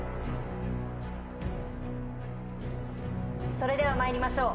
それでは参りましょう。